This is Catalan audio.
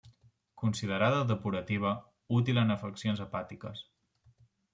Considerada depurativa, útil en afeccions hepàtiques.